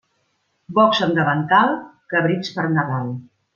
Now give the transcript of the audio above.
Bocs amb davantal, cabrits per Nadal.